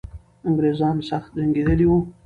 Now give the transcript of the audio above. انګریزان سخت جنګېدلي وو.